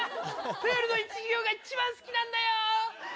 プールの授業が一番好きなんだよ。